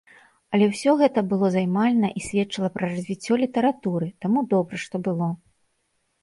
Але ўсё гэты было займальна і сведчыла пра развіццё літаратуры, таму добра, што было.